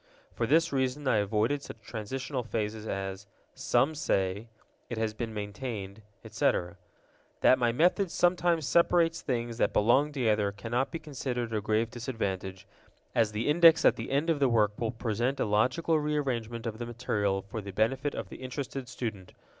For this reason I avoided such transitional phrases as "Some say," "It has been maintained," etc. That my method sometimes separates things that belong together cannot be considered a grave disadvantage, as the Index at the end of the work will present a logical rearrangement of the material for the benefit of the interested student.